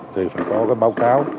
thì phải có cái báo cáo